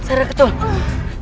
ini hanya link untuk